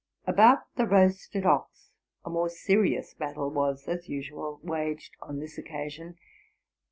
About the roasted ox, a more serious battle was, as usual, waged on this occasion.